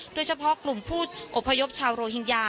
โดยเฉพาะกลุ่มผู้อพยพชาวโรฮิงญา